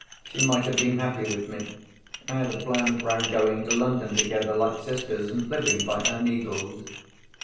She might have been happy with me. I had a plan for our going to London together like sisters, and living by our needles.